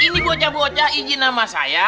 ini bocah bocah izin nama saya